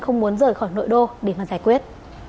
không muốn rời khỏi nội đô để mà giải quyết